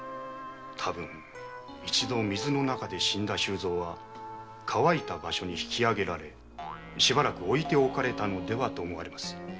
多分一度水の中で死んだ周蔵は乾いた場所に引き揚げられしばらく置いておかれたのではと思われます。